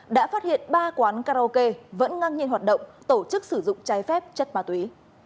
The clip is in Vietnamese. đã phát hiện ba quán karaoke vẫn ngang nhiên hoạt động tổ chức sử dụng trái phép chất ma túy